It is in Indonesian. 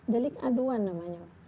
delik aduan namanya